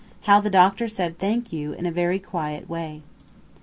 HOW THE DOCTOR SAID "THANK YOU" IN A VERY QUIET WAY.